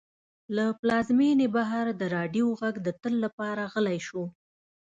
له پلازمېنې بهر د راډیو غږ د تل لپاره غلی شو.